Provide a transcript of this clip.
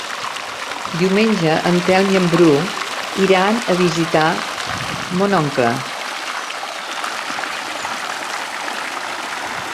Diumenge en Telm i en Bru iran a visitar mon oncle.